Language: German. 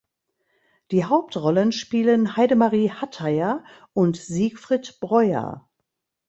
Die Hauptrollen spielen Heidemarie Hatheyer und Siegfried Breuer.